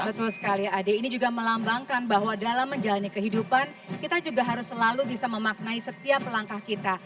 betul sekali ade ini juga melambangkan bahwa dalam menjalani kehidupan kita juga harus selalu bisa memaknai setiap langkah kita